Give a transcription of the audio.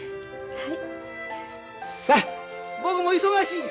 はい。